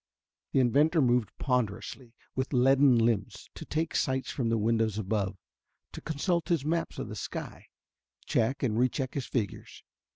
The inventor moved ponderously, with leaden limbs, to take sights from the windows above, to consult his maps of the sky, check and re check his figures.